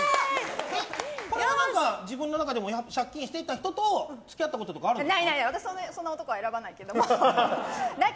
これは自分の中でも借金してた人と付き合ったことがあるんですか？